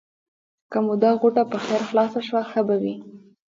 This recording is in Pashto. که مو دا غوټه په خیر خلاصه شوه؛ ښه به وي.